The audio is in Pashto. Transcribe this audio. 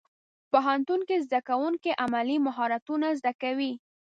پوهنتون کې زدهکوونکي عملي مهارتونه زده کوي.